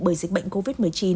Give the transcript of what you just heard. bởi dịch bệnh covid một mươi chín